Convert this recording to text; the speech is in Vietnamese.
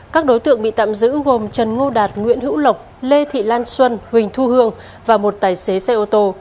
các đối tượng bị tạm giữ gồm trần ngô đạt nguyễn hữu lộc lê thị lan xuân huỳnh thu hương và một tài xế xe ô tô